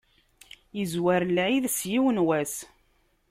Izwer lɛid s yiwen wass.